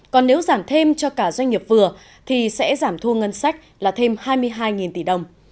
còn nếu giảm thêm cho cả doanh nghiệp vừa thì sẽ giảm thu ngân sách là thêm hai mươi hai tỷ đồng